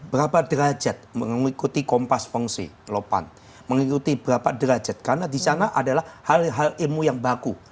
berapa derajat mengikuti kompas fungsi lopan mengikuti berapa derajat karena di sana adalah hal hal ilmu yang baku